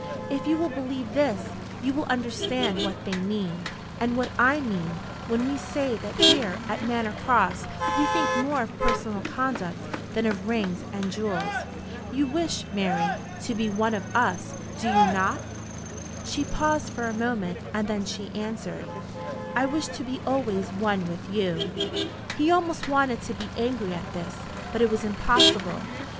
If you will believe this, you will understand what they mean, and what I mean, when we say that here at Manor Cross we think more of personal conduct than of rings and jewels. You wish, Mary, to be one of us; do you not?" She paused for a moment, and then she answered, "I wish to be always one with you." He almost wanted to be angry at this, but it was impossible.